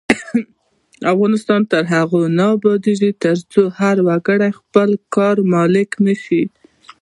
افغانستان تر هغو نه ابادیږي، ترڅو هر وګړی د خپل کار مالک نشي.